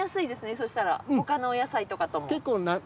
そしたら他のお野菜とかとも。